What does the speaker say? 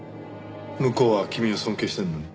向こうは君を尊敬してるのに。